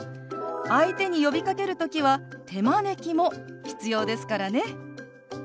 相手に呼びかける時は手招きも必要ですからね。